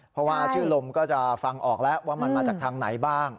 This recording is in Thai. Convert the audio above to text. เพราะว่าชื่อลมก็จะฟังออกแล้วว่ามันมาจากทางไหนบ้าง